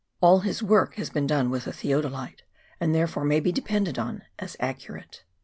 All his work has been done with a theodolite, and therefore may be depended on as accurate.